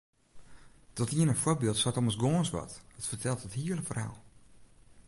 Dat iene foarbyld seit ommers gâns wat, it fertelt it hiele ferhaal.